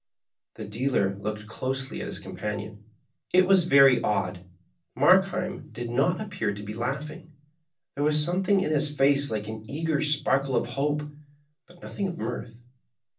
The dealer looked closely at his companion. It was very odd, Markheim did not appear to be laughing; there was something in his face like an eager sparkle of hope, but nothing of mirth.